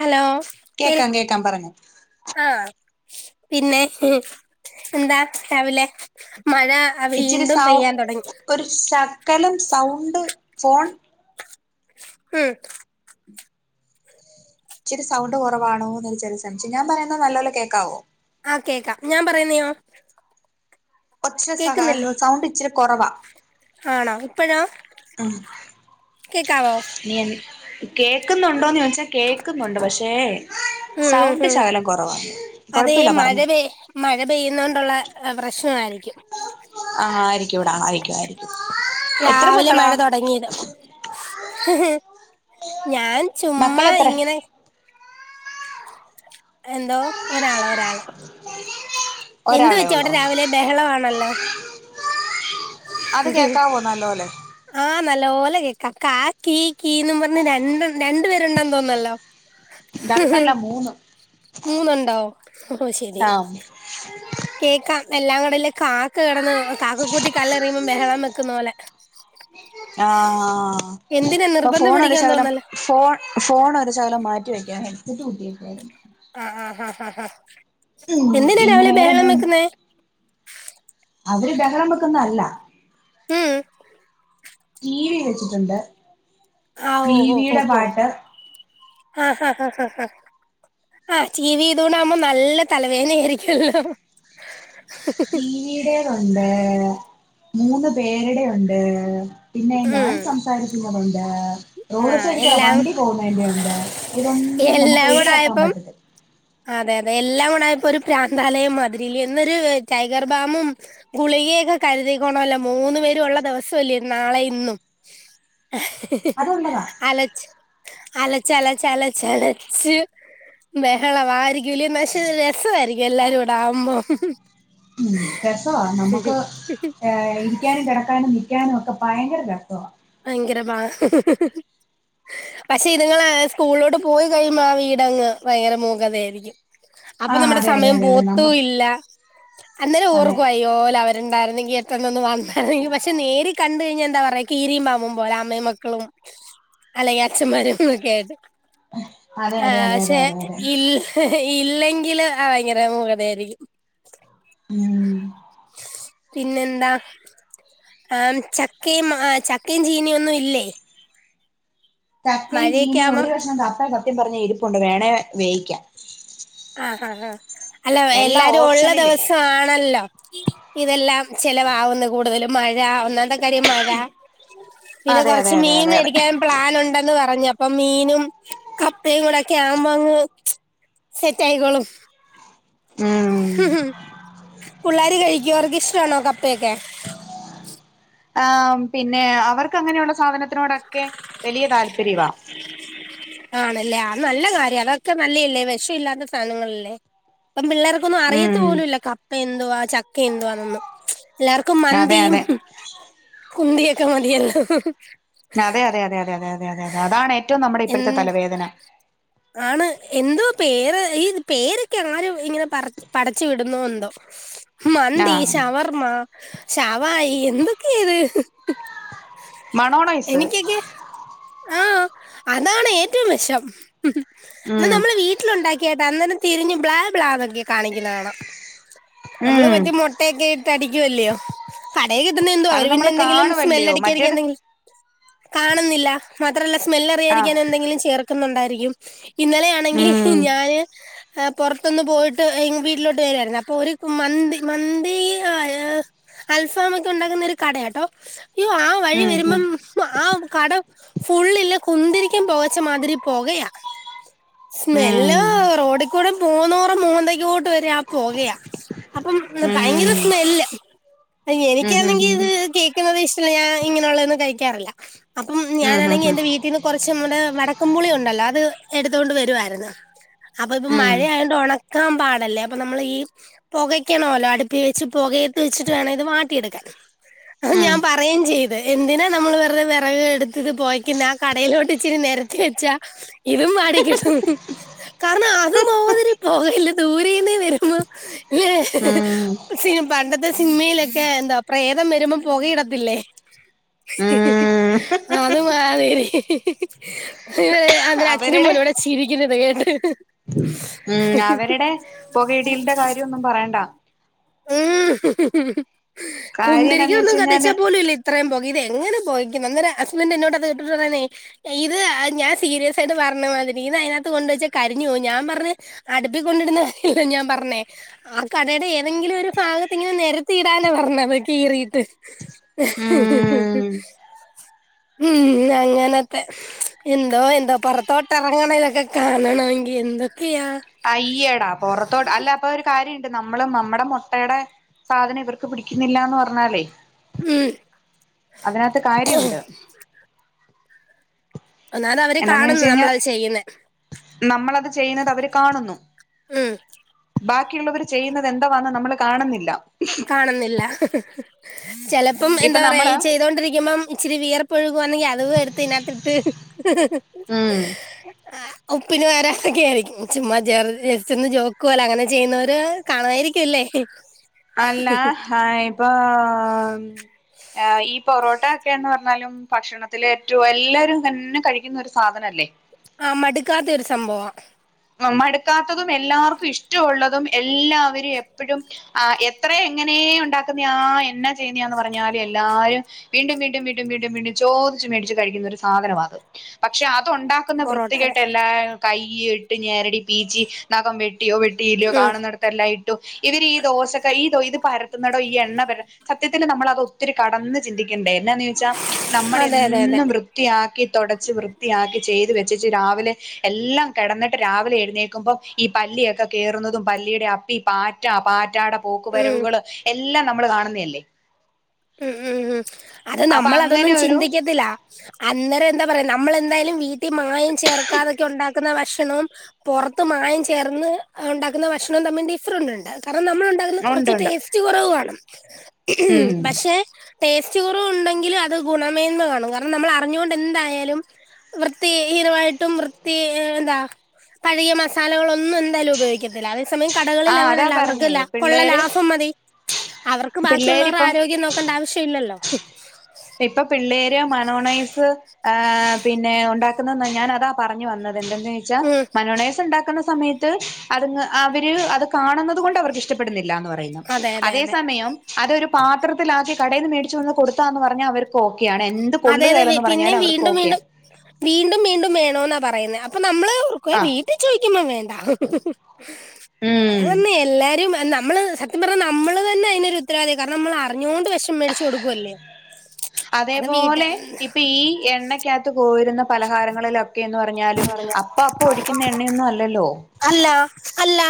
Hello കേൾ കേക്കാം കേക്കാം പറഞ്ഞോ ആഹ് പിന്നെ ഇഹ് എന്താ രാവിലെ മഴാ ഇച്ചിരി വീണ്ടും സൗ പെയ്യാൻ തുടങ്ങി ഒരു ശക്കലം സൗണ്ട് ഫോൺ ഉം ച്ചിരി സൗണ്ട് കുറവാണോ എന്ന് ചെറിയ സംശയം ഞാൻ പറയുന്നെഹ് നല്ലോലെ കേൾക്കാവോ ആഹ് കേക്കാം ഞാൻ പറയുന്നയോ പക്ഷേ കേക്കുന്നില്ലേ സഹസ് സൗണ്ട് ഇച്ചിരി കുറവാ ആണോ ഇപ്പഴോ കേക്കാവോ ഇൻ കേൾക്കുന്നുണ്ടോന്ന് ചോയ്ച്ചാ കേൾക്കുന്നുണ്ട് പക്ഷേ ഉം ഉം സൗണ്ട് ഉം ശകലം കൊറവാ അതേ കൊഴപ്പവില്ല മഴ പറഞ്ഞോ പെയ് മഴ പെയ്യുന്നോണ്ടുള്ള പ്രശ്നമായിയിരിക്കും ആഹ് ആയിരിക്കുംടാ ആയിരിക്കും ആയിരിക്കും എത്ര രാവിലെ മക്കളാ മഴ തുടങ്ങിയത് ഞാൻ ചുമ്മാ മക്കളെത്ര ഇങ്ങനെ എന്തോ ഒരാളാ ഒരാളാ എന്ത് ഒരാളെ പറ്റി ഉള്ളോ അവിടെ രാവിലെ ബഹളവാണല്ലോ അത് കേക്കാവോന്നല്ലവോലെ ആഹ് നല്ലവോലെ കേക്കാം ക കീ കീന്ന് പറഞ്ഞ് രണ്ടു രണ്ട് പേരുണ്ടന്ന് തോന്നല്ലോ രണ്ടല്ല മൂന്ന് മൂന്നുണ്ടോ ഓ ഹോ ശരി ആഹ് കേക്കാം എല്ലാം കൂടല്ലം കാ ക്ക കെട്ന്ന് കാക്കക്കൂട്ടി കല്ലെറിയുമ്പോം ബഹളം വെക്കുന്ന പോലെ ആഹ് ആഹ് ആഹ് എന്തിനാ ഇപ്പൊ നിർബന്ധം ഫോൺ ഒര് പിടിക്കാൻ ശകലം തോന്നല്ലോ ഫോൺ ഫോൺ ഒരു ശകലം മാറ്റി വെക്കാൻ ഹെഡ് സെറ്റ് കുത്തിയെക്കുവാണ് ആഹ് ആഹ് ആഹ് ആഹ് ഹാ ഉം എന്തിനാ പിന്നെ രാവിലെ വേറെന്നാ ബഹളം ഉണ്ട് വെക്കുന്നേ അവര് ബഹളം വെക്കുന്നതല്ല ഉം ഉം ടി വി വെച്ചിട്ടുണ്ട് ആ ടിവി ടെ പാട്ട് ആഹ് ഹാ ഹാ ഹാ അഹ് ആഹ് ടി വി ഇതുകൊണ്ടാക്കുമ്പോ നല്ല തലവേദന ആയിരിക്കുവല്ലോ ടി വിടേതുണ്ട് മൂന്ന് പേരുടെ ണ്ട് പിന്നെ ഞാൻ ഉം സംസാരിക്കുന്നതു ണ്ട്. ആ [unintelligible] എല്ലാം വണ്ടി പോവുന്നേന്റെണ്ട് ഇതൊന്നും നമുക്ക് എല്ലാം കൂടെ ഒഴിവാക്കാൻ ആയപ്പം പറ്റത്തില്ല. അതെ അതെ എല്ലാം കൂട്ടായപ്പൊ ഒരു പ്രാന്താലയം മതിരില്ലേ എന്നരു ടൈഗർ ബാമും ഗുളികെയൊക്കെ കര്തിക്കോണംല്ലോ മൂന്നു പേരു ഉള്ള ദിവസല്ലേ നാളെ ഇന്നും. ആഹ്. അതുള്ളതാ അലച്ച് അലച്ചലച്ചലച്ചലച്ച് വെ [unintelligible] രസ്സവായിരിക്കും എല്ലാരും കൂടെ ആവുമ്പം. ഉം രസവാ നമ്മക്ക് ഇരിക്ക്യാനും കെടക്കാനും നി ക്ക്യാനും ഒക്കെ ഭയങ്കര രസവാ. ഭയങ്കര ബാ പക്ഷെ ഇത്ങ്ങള് സ്കൂളോട്ട് പോയി കഴിയുമ്പോ ആ വീടങ്ങ് ഭയങ്കര മൂകതയായിരിക്ക്യും. അപ്പൊ ആഹ് നമ്മടെ അതെ അതെ സമയം അതെ അതെ നമ്മ പോവത്തൂ ല്ല. അന്നേരം അതെ ഓർക്കും അയ്യോ ലവര്ണ്ടായിര്ന്നെങ്കി എത്ര നന്ന് ഒന്ന് വന്ന് എങ്കി പക്ഷെ നേരി ക ണ്ട് കയ്ഞ്ഞ എന്താ പറയാ കീ രീം പാമ്പും പോലെ അമ്മയും മക്കളും അല്ലെങ്കി അച്ഛന്മാരുക്കെ ആയിട്ട്. അതെ ആ അതെ അതെ അതെ ക്ഷെ അതെ അതെ ഇല്ലെ ഇല്ലെങ്കില് ആ ഭയങ്കര മൂകത ആയിരിക്കും. ഉം. പിന്നെ എന്താ? ആ ചക്കേം മ ചക്കേം ചീനിം ഒന്നും ഇല്ലേ? ചക്കെം മഴയൊക്കെ ചീനിം ആവുമ്പം ഒരു കഷ്ണം തപ്പം സത്യം പർഞ്ഞ ഇരിപ്പുണ്ട് വേണേ വേയിക്കാം. ആ ആ ആ അല്ല എല്ലാ എല്ലാരും ഒള്ള ഓപ്ഷനില് ദെവസാണല്ലോ. ഇതെല്ലാം ചെലവാവുന്ന കൂടുതലും മഴ ഒന്നാത് കാര്യം മഴ പിന്നെ അതെ അതെ കൊർച്ച് അതെ മീൻ അതെ അതെ മേടിക്ക്യാൻ. പ്ലാനുണ്ടെന്ന് പറഞ്ഞു പ്പൊ മീനും കപ്പയും കൂടെക്കെയാവുമ്പങ്ങ് സെറ്റായികോളും. ഉം മ് മ് പുള്ളേര് കഴ്ക്കോ അവർക്കി ഷ്ടമാണോ കപ്പയൊക്കെ? ആ പിന്നെ അവർക്കങ്ങനെയുള്ള സാധനത്തിനോടൊക്കെ വലിയ താല്പര്യവാ. [inaudible] ആണല്ലേ ആത് നല്ല കാര്യാ അതൊക്കെ നല്ലെയല്ലേ വെഷം ഇല്ലാത്ത സാധനങ്ങളല്ലേ ഇപ്പം പിള്ളേർ ക്കൊന്നും അറിയത്ത് ഉം പോലുല്ല കപ്പ എന്തുവാ ചക്ക എന്തുവാന്നൊന്നും. എല്ലാർക്കും അതെ മന്ദിയും അതെ കുന്തിയൊക്കെ മതിയല്ലൊ. അതെ അതെ അതെ അതെ അതെ അതെ അതെ അതെ അതെ അതെ അതെ അതാണ് ഏറ്റവും നമ്മടെ എൻ ഇപ്പഴ്ത്തെ തലവേദന. ആണ് എന്തോ പേര് ഈ പേരൊക്കെ ആര് ഇങ്ങനെ പറ പടച്ച് വിടുന്നോ എന്തോ. മന്തി, ആഹ് ശവർമ്മ, ശവായി എന്തൊക്കെ ഇത്. മണോണൈസ്. എനിക്കൊക്കെ ആഹ് അതാണ് ഏറ്റവും വെഷം എന്ന ഉം നമ്മള് വീ ട്ടിലുണ്ടാക്കിയിട്ട് അന്നേരം തിരിഞ്ഞ് ബ്ലാ ബ്ലാന്നൊക്കെ കാണിക്കിന്നെ കാണാം. അമ്ലള് ഉം മറ്റേ മുട്ടയൊക്കെ ഇട്ട് അടിക്ക്യുവല്യേ. കടയി കിട്ടുന്ന എന്തുവ അത് അവര് പിന്നെ നമ്മള് എന്തെങ്കിലും സ്മെല്ല കാണുവല്ലയോ അടിക്ക്യായിരിക്കാൻ മറ്റേത് എന്തെങ്കിലും കാണുന്നില്ല മാത്രമല്ല സ്മെല്ല റിയാരിക്കാൻ ആഹ് എന്തെങ്കിലും ചേർക്കുന്നുണ്ടായിരിക്കും ഇന്നലെ ഞാ ണെങ്കിൽ ഞാന് എ പൊർത്തൊന്ന് പോയിട്ട് വീട്ടിലോട്ട് വരുവാര്‌ന്ന്‌ അപ്പൊ ഒര് മന്തി മന്തി ആ അൽഫാം ഒക്കെ ഉണ്ടാക്കുന്ന ഒരു കടയാട്ടോ യ്യോ ആ വഴി വരുമ്പം ആ കട ഫുള്ളില്ലേ കുന്തിരിക്ക്യൻ പൊകച്ച മാതിരി പോകയാ. സ്മെല്ലോ റോഡിക്കൂടെ പൊവ്ന്നോ റെ മൂന്തേക്ക് കൊ വരെ പൊകയാ അപ്പം ഭയങ്കര സ്മെല്ല് അ എനിക്കാണെങ്കി ഇത് കേക്ക്ന്നത് ഇഷ്ല്ല ഞാൻ ഇങ്ങനെയുള്ളതൊന്നും കഴിക്കാറില്ല അപ്പം ഞാൻ അവരുടെ വീട്ടീന്ന് കറച്ച് നമ്മടെ വടക്കുംപുളി ഉണ്ടല്ലോ അത് എടുത്തോണ്ട് വരുവായിരുന്നു. അപ്പൊ ഇപ്പൊ മഴായോണ്ട് ഒണക്കാൻ പാടല്ലേ അപ്പൊ നമ്മൾ ഈ പുകയ്ക്കണോല്ലോ അടുപ്പി വെച്ച് പുകയത്ത് വച്ചിട്ട് വേണം ഇത് വാട്ടിയെടുക്കാൻ. അത് ഞാൻ പറയുകയും ചെയ്ത് എന്തിനാ നമ്മൾ വെറുതെ വിറക് എടുത്തിട്ട പോയി ന്നെ ആ കടയിലോട്ട് ഇച്ചിരി നിരത്തി വെച്ചാ ഇതും വാടിക്കിട്ടും. കാരണം അത് മോതിരി പോകയല്ലേ ദൂരേന്ന്. വരുമ്പല്ലേ സി പണ്ട ഇത്തെ സിനിമയിലൊക്കെ എന്താ പ്രേതം വരുമ്പോ പൊകയിടത്തില്ലേ. [unintelligible] അത് അത് മാതിരി ഇ അന്നരം അച്ഛനും മോനൂടെ ചിരിക്ക്ന്ന് ഇത് കേട്ട്. ഉം അവര്ടെ പൊകയിടിൽന്റെ കാര്യോന്നും പറയണ്ട മ് കാര്യം എന്താന്ന് കുന്തിരിക്കൊന്നും വെച്ച് കത്തിച്ചാ കഴിഞ്ഞാല് പോലും ത്രേം പൊകിതെങ്ങനെ പൊകക്ക്ന്ന അന്നരം ഹസ്ബൻറ് എന്നോടത് കേട്ടിട്ട് പറയാണെ ഇത് ഞാൻ സീരിയസായിട്ട് പർഞ്ഞമാതിരി ഇത് അയ്നകത്ത് കൊണ്ടേച്ചാ കരിഞ്ഞു പോവും ഞാമ്പർഞ്. അടുപ്പിക്കൊണ്ടിടുന്ന കാര്യല്ല ഞാൻ പർഞ്ഞെ ആഹ് കടേടെ തെങ്കിലും ഒര് ഭാഗത്ത് ങ്ങനെ നെരത്തി ഇടാന പർഞ്ഞത് കീറീട്ട് ഉം [unintelligible] ഉം അങ്ങനത്തെ എന്തോ എന്തോ പൊറത്തോട്ടെറങ്ങണതൊക്കെ കാണണമെങ്കി എന്തൊക്കെയാ അയ്യടാ പൊറത്തോട്ട് അല്ല പ്പൊരു കാര്യം ണ്ട് നമ്മളും നമ്മടെ മൊട്ടേടെ സാധന ഇവർക്ക് പിടിക്കുന്നില്ലാന്ന് പർഞ്ഞാലേ ഉം അതിനകത്ത് കാര്യുണ്ട് ഒന്നാത് അവര് എന്നാന്ന് കാണുന്നു ചോദിച്ച് കഴിഞ്ഞാ നമ്മളഹ് ചെയ്യ്ന്നെ നമ്മളത് ചെയ്യുന്നത അവര് കാണുന്നു ഉം ബാക്കിള്ളവർ ചെയ്യുന്നതെന്തവാന്ന് നമ്മള് കാണുന്നില്ല കാണുന്നില്ല [unintelligible] ചെ പ്പം ഇപ്പൊ എന്താ പറയാ ഈ നമ്മള് ചെയ്തോണ്ടിരിക്കുമ്പം ഇച്ചിരി വിയർപ്പൊഴുകുവാന്നെങ്കിൽ അത് [unintelligible] തിനകത്തിട്ട് [unintelligible] ഉം ആഹ് ഉപ്പിന് പകരതൊക്കെ ആയിരിക്കും ചുമ്മ ജസ്റ്ന്ന് ജോക്കോലങ്ങനെ ചെയ്യുന്നവര് കാണായിരിക്കുംല്ലേ അല്ലഹ് അയ്പ്പൊ ഈ പൊറോട്ടൊക്കെന്ന് പർഞ്ഞാലും ഭക്ഷണത്തിലേറ്റു എല്ലരും തന്നെ കഴിക്കുന്ന ഒരു സാധനല്ലേ ആഹ് മട്ക്കാത്തൊരു സംഭവ അഹ് മടുക്കാത്തതും എല്ലാർക്കും ഇഷ്ടഉള്ളതും എല്ലാവരും എപ്പഴും ആഹ് എത്രെ എങ്ങനേ ഉണ്ടാക്കുന്നയാ എന്ന ചെയ്യുന്ന്യാ ന്ന് പറഞ്ഞാലും എല്ലാരും വീണ്ടും വീണ്ടും വീണ്ടും വീണ്ടും വീണ്ടും ചോദിച്ച് മേടിച്ച് കഴിക്കുന്നൊരു സാധനവാ അത് പക്ഷെ അതൊണ്ടാ ക്കുന്ന പൊറോട്ട അതെ വൃത്തികെട്ടെല്ലാ കൈയ്യിട്ട് ഞെരടി പീച്ചി നഖം വെട്ടിയോ വെട്ടിയില്ല്യോ ഉം കാണുന്ന തല്ലയിട്ടു ഇവര് ഈ ദോശക്കയ് ഈതൊ ഇത് പരത്തുന്നടോ ഈ എണ്ണ പര സത്യത്തിൽ നമ്മളതൊത്തി കടന്ന് ചിന്തിക്കണ്ടേ എന്നാന്ന് ചോയ്ച്ചാ അതെ അതെ അതെ നമ്മളെന്നും വൃ ത്തിയാക്കി തൊടച്ച് വൃത്തിയാക്കി ചെയ്തു വെച്ചേച് രാവിലെ എല്ലാം കെടന്ന് രാവിലെ എഴുന്നേക്കുമ്പോം ഈ പല്ലിയൊക്കെ കേറുന്നതും പല്ലിയുടെ അപ്പി പാറ്റ പാറ്റാടെ പോക്കു ഉം വരവുകൾ എല്ലാം നമ്മള് കാണുന്നെ ല്ലേ ഉം ഉം ഉം അത് അപ്പൊ നമ്മളതൊന്നും അങ്ങനെ ഒരു ചിന്തിക്കത്തില്ല അന്നേരം ന്താ പറയാ നമ്മളെന്തായാലും വീട്ടിൽ മായം ചേർക്കാതൊക്കെ ഉണ്ടാക്കുന്ന ഭക്ഷണവും പൊർത്ത് മായം ചേർന്ന് ണ്ടാക്കുന്ന ഭക്ഷണം തമ്മിൽ ഡിഫറന്റ് ണ്ട് കാരണം നമ്മൾ ണ്ടാക്ന്ന ഉണ്ട് കൊറച്ച് ഉണ്ട് ടേസ്റ്റ് കുറവ് വാണം ഉം പക്ഷെ ടേസ്റ്റ് കുറവ് ണ്ടെങ്കിലും അത് ഗുണമേെന്ന് കാണും കാരണം നമ്മൾ അറിഞ്ഞുകൊണ്ടെന്തായാലും വൃത്തി ഹീനമായിട്ടും വൃത്തി എന്താ പഴകിയ മസാലകളൊന്നും എന്തായാലും ഉപയോഗിക്കത്തില്ല അതേ സമയം ആ കടകളിൽ അതാ അങ്ങനല്ല പറഞ്ഞേ വൃദ്ധല കൊള്ള പിള്ളേര് ലാഭം മതി അവർക്ക് ബാക്കിയുള്ളോരെ പിള്ളേരിപ്പം ആരോഗ്യം നോക്കണ്ട ആവശ്യം ഇല്ലല്ലോ ഇപ്പൊ പിള്ളേര് മനോണൈസ് ആഹ് പിന്നെ ഉണ്ടാക്കുന്നെന്ന ഞാനതാ പറഞ്ഞു വന്നതെ ന്തെ ന്ന് ച്ച ഉം മയോണൈസ്ണ്ടാക്കുന്ന സമയത്ത് അത് അവര് അത് കാണുന്നത് കൊണ്ട് വർക്ക് ഇഷ്ട പ്പെടുന്നില്ല ന്ന് പറയും അതെ അതെ അതേ അതെ സമയം അതൊരു പാത്രത്തിലാക്കി കടേൽന്ന് മേടിച്ച് വന്ന് കൊടുത്താന്ന് പർഞ്ഞാ അവർക്ക് ഓക്കെയാണ് എന്ത് അതെ അതെ കൊള്ളുകേലെന്ന് വി- പറഞ്ഞാലും പിന്നെയും അവർക്ക് വീണ്ടും ഓക്കെയാ വീണ്ടും വീണ്ടും വീണ്ടും വേണോന്നാ പറയുന്നെ അപ്പൊ നമ്മള് ക്കോയ് ആഹ് വീട്ടി ചോയ്ക്കുമ്പം വേണ്ട ഉം അതുവന്ന് എല്ലാരും നമ്മള് ത്യം പർഞ്ഞ നമ്മള് തന്നെ അയ്നൊരു ത്തരവാദ്യയ കാരണം നമ്മൾ അറിഞ്ഞോണ്ട് വെഷം മേടിച്ച് കൊടുക്കുവല്ലേ അതേപോലെ ഇപ്പ ഈ എണ്ണക്കകത്ത് കോരുന്ന പലഹാരങ്ങളിലൊക്കെന്ന് പറ പറഞ്ഞാലും അപ്പൊ അപ്പൊ ഒഴിക്കുന്ന എണ്ണയൊന്നും അല്ലല്ലോ അല്ല അല്ല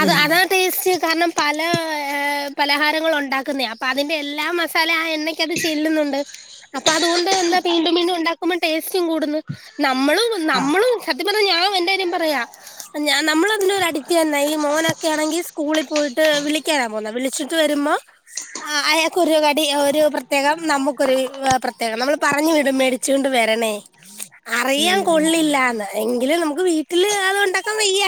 അത് ഉം അത് ടേസ്റ്റ് കാരണം പല ഏഹ് പലഹാരങ്ങളു ണ്ടാക്കുന്നെയാ ഉണ്ടാക്കുന്നെയാ അപ്പ അതിന്റെ എല്ല മസാല ചെല്ലുന്നുണ്ട് അപ്പൊ അതുകൊണ്ട് എന്താ വീണ്ടും വീണ്ടും ഉണ്ടാക്കുമ്പോ ടേസ്റ്റും കൂടുന്നു നമ്മളും ആഹ് നമ്മളും സത്യം പറഞ്ഞാൽ ഞാൻ എന്റെ കാര്യം പറയാ നമ്മള അതിനന്റെ ഒരു അടിറ്റ് തന്നെ ഈ മോനൊക്കെ ആണെങ്കിൽ സ്കൂളിൽ പോയിട്ട് വിള കേയറാൻ പോന്ന വിളിച്ചിട്ട് വരുമ്പോൾ അയാൾക്കേ ഒരു കടി ഒരു പ്രത്യേകം നമുക്കൊരു പ്രത്യേകം നമ്മള് പറഞ്ഞു വിടും മേടിച്ച കൊണ്ട് വരണേ അറിയാൻ ഉം കൊള്ളില്ലന്ന് എങ്കില് നമുക്ക് വീട്ടില് അത് ഉണ്ടാക്കാൻ വയ്യ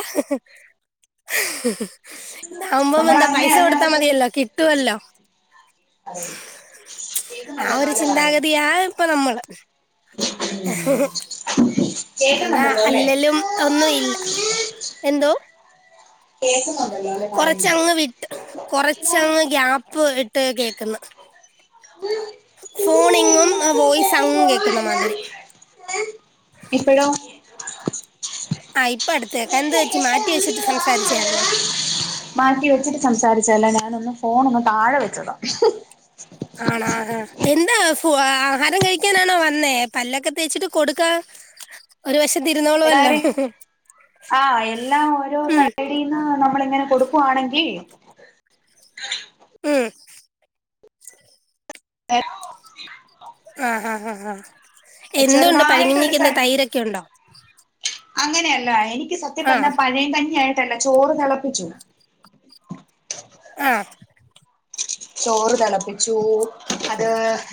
ഇ ആവുമ്പോ നമ്മൾ എന്താ അങ്ങനെ പൈസ കൊടുത്താ അതിനകത്തൊക്കെ മതിയല്ലോ കിട്ടുവല്ലോ അതെത് ആ പറതല്ല ഒരു പോലെ പറയുന്നു ചിന്താഗതിയാ ഇപ്പൊ നമ്മള് അതാ കേട്ടുന്നുണ്ടല്ലോ അല്ലേ അല്ലലും ഒന്നും ഇല്ല എന്തോ കേൾക്കുന്നുണ്ടല്ലോ അല്ലേ പറയുന്നേ കൊറച്ചങ്ങ് വിട്ട് കൊറച്ചങ്ങ് ഗ്യാപ്പ് ഇട്ട് കേക്കന്ന് ഫോണിങ്ങും വോയിസ് അങ് കേൾക്കുന്ന മാതിരി എപ്പഴോ ആ ഇപ്പൊ അടുത്ത് കേക്കാം എന്തുപറ്റി മാറ്റി വെച്ചിട്ട് സംസാരിച്ചായിന്നോ മാറ്റി വെച്ചിട്ട് സംസാരിച്ചല്ല ഞാനൊന്ന് ഫോൺ ഒന്ന് താഴെ വെച്ചതാം ആണോഹാ എന്താ ആഹാരം കഴിക്കാനാണോ വന്നേ പല്ലൊക്കെ തേച്ചിട്ട് കൊടുക്കാ [inaudible] ഒരു വശത്ത് ഇരുന്നോ എല്ലാരും ആഹ എല്ലാം ഓരോ ഉം സൈഡ നമ്മള എങ്ങനെ കൊടുക്കുവാണെങ്കിൽ ഉം ആ [unintelligible] ആഹ് ആഹ് ആഹ് ആാഹ് എന്തുണ്ട് ചെറുതായിട്ട് ഒരു പരിങ്ങിഞ്ഞീക്ക് എന്താ സൈ തൈരൊക്കെ ഉണ്ടോ അങ്ങനെയല്ല എനിക്ക് സത്യം ആ പറഞ്ഞാ പഴയം തന്നിയ ആയിട്ടല്ല ചോറ് തിളപ്പിച്ചു ആഹ് ചോറ് തിളപ്പിച്ചു അത്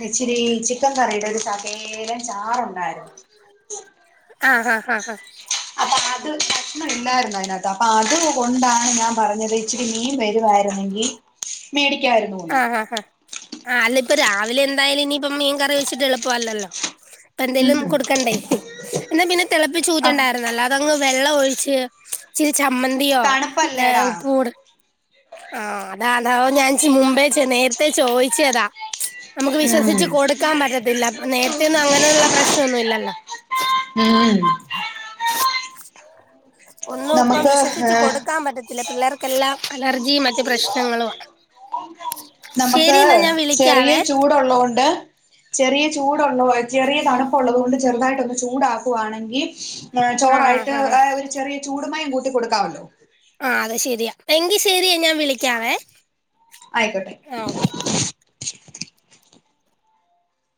ഇച്ചിരി ചത്തം കറിയുടെ ഒരു സക്കേലം ചാറുണ്ടായിരുന്നു ആഹ് ആഹ് ആഹഹ് അപ്പൊ അത് ക്ഷ്ണം ഇല്ലായിരുന്നു അതിനകത്ത അപ്പ അതുകൊണ്ടാണ് ഞാൻ പറഞ്ഞത് ഇച്ചിരി മീൻ വരുവായിരുന്നെങ്കിൽ മേടിക്കായിരുന്നു ആഹ് ആാഹാ ആ അല്ല ഇപ്പൊ രാവിലെ എന്തായാലും ഇനിയിപ്പ മീൻ കറി വെച്ചിട്ട് എളുപ്പല്ലല്ലോ അപ്പ ഉം എന്തേലും ഉം കൊടുക്കണ്ടേ എന്നന്താ പിന്നെ തിളപ്പി ചൂറ്റ അപ് ഉണ്ടായിരുന്നല്ലോ അതങ്ങ് വെള്ളം ഒഴിച്ച് ചരി ചമ്മന്തിയോ തണുപ്പല്ലേടാ ഉപ്പൂർ ആഹ അതാ അത ഞാൻ മുമ്പേ നേരത്തെ ചോദിച്ചതാ നമുക്ക് വിശ്വസിിച്ചച്ച് കൊടുക്കാൻ പറ്റത്തില്ല നേരത്തെ ഒന്നും അങ്ങനെയുള്ള പ്രശ്നൊന്നുമല്ലല്ലോ ഉം [unintelligible] ഒന്നും ഇപ്പം നമുക്ക് വിശ്വസിച്ച് ഏഹ് കൊടുക്കാൻ പറ്റത്തില്ല പിള്ളേർക്കെല്ലാം അലർജിയും മറ്റു പ്രശ്നങ്ങളും നമുക്ക് ചെറിയ വിളിക്കാവേ ചൂടുള്ളത് കൊണ്ട് ചെറിയ ചൂടുള്ള ചെറിയ തണുപ്പള്ളത കൊണ്ട് ചെറുതായിട്ടൊന്ന് ചൂടാക്കുകവാണെങ്കിൽ ആഹ് ചോറായിട്ട് ആഹ് ആഹ് ഒരു ചെറിയ ചൂടുമായും കൂട്ട കൊടുക്കാമല്ലോ ആ അത ശെരിയാ എങ്കിൽ ശരിയ ഞാൻ വിളിക്കാവേ ആയിക്കോട്ടെ ആ ഓക്കെ